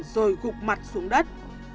rồi gục mặt xuống đất